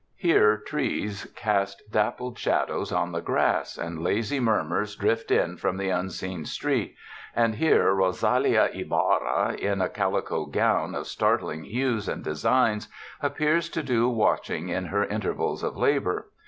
Here trees cast dappled shadows on the grass and lazy murmurs drift in from the unseen street, and here Rosalia Ybarra, in a calico gown of startling hues and designs, appears to do wash ing in her intervals of labor.